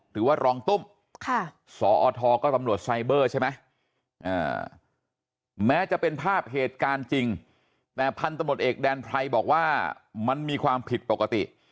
หรือว่ารองตุ้มสอทก็ตำรวจไซเบอร์ใช่ไหมแม้จะเป็นภาพเหตุการณ์จริงแต่พันธมตเอกแดนไพรบอกว่ามันมีความผิดปกติ